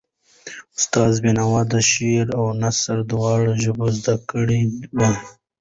استاد بینوا د شعر او نثر دواړو ژبه زده کړې وه.